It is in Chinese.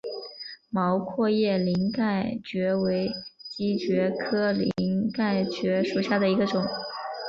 毛阔叶鳞盖蕨为姬蕨科鳞盖蕨属下的一个种。